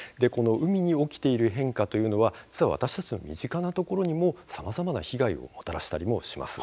海に起きている変化というのは実は私たちの身近なところにもさまざまな被害をもたらしたりします。